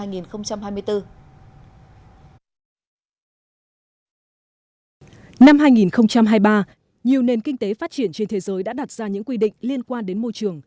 năm hai nghìn hai mươi ba nhiều nền kinh tế phát triển trên thế giới đã đặt ra những quy định liên quan đến môi trường